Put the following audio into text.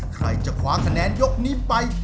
ใครจะคว้าคะแนนยกนี้ไป